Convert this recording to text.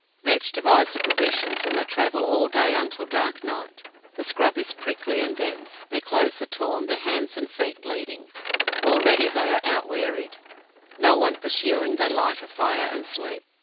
Vetch divides the provisions, and they travel all that day until dark night. The scrub is prickly and dense. Their clothes are torn, their hands and feet bleeding. Already they feel out wearied. No one pursuing, they light a fire, and sleep.